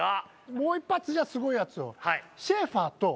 もう一発じゃあすごいやつを。